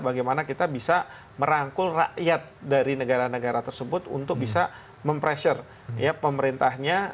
bagaimana kita bisa merangkul rakyat dari negara negara tersebut untuk bisa mempressure pemerintahnya